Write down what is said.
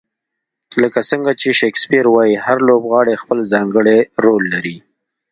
لکه څنګه چې شکسپیر وایي، هر لوبغاړی خپل ځانګړی رول لري.